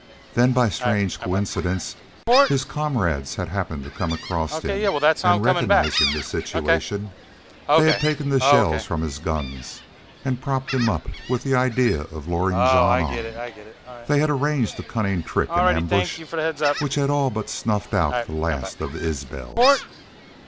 Then by strange coincidence his comrades had happened to come across him and, recognizing the situation, they had taken the shells from his guns and propped him up with the idea of luring Jean on. They had arranged a cunning trick and ambush, which had all but snuffed out the last of the Isbels.